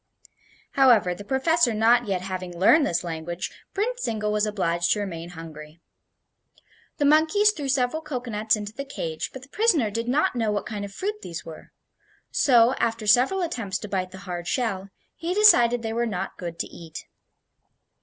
However, the professor not yet having learned his language, Prince Zingle was obliged to remain hungry. The monkeys threw several cocoanuts into the cage, but the prisoner did not know what kind of fruit these were; so, after several attempts to bite the hard shell, he decided they were not good to eat.